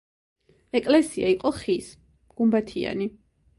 ეკლესია იყო ხის, გუმბათიანი.